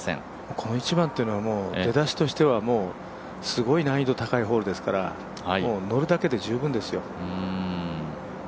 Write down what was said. この１番というのは出だしとしてはすごい難易度高いホールですからのるだけで十分ですよ。